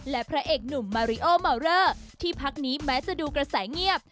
และพระเอกหนุ่มมาริโอเมาเลอร์ที่พักนี้แม้จะดูกระแสเงียบ